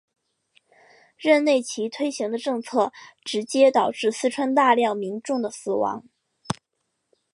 任内其推行的政策直接导致四川大量民众的死亡。